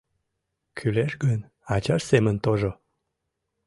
Кӱлеш гын, ачаж семын тожо